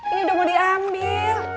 ini udah mau diambil